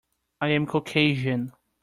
I am Caucasian.